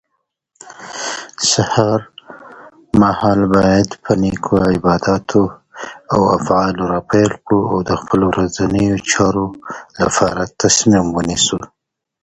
It was investigated thoroughly for signs of corruption during the Schabir Shaik Trial.